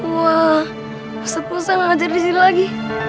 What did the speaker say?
wah ustadz nurul saya mengajar disini lagi